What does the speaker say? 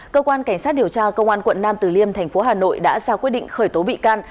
cơ quan cảnh sát điều tra công an quận nam từ liêm thành phố hà nội đã ra quyết định khởi tố bị can